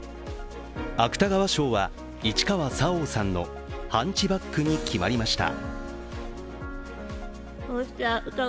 芥川賞は市川沙央さんの「ハンチバック」に決まりました。